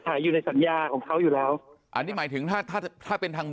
ขายอยู่ในสัญญาของเขาอยู่แล้วอันนี้หมายถึงถ้าถ้าถ้าเป็นทาง